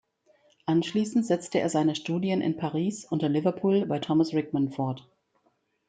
Anschliessend setzte er seine Studien in Paris und in Liverpool bei Thomas Rickman fort.